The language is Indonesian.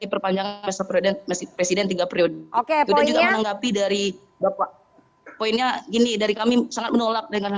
perpanjangan masa periode presiden tiga periode oke poinnya gini dari kami sangat menolak dengan